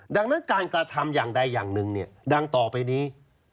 ดังนั้นการกระทำอย่างใดอย่างหนึ่งเนี่ยดังต่อไปนี้